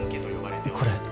これ